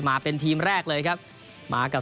มาเป็นทีมแรกเลยครับมากับ